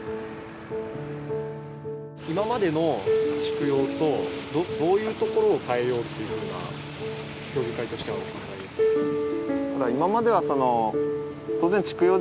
今までの蓄養とどういうところを変えようっていうふうな協議会としてはお考えですか？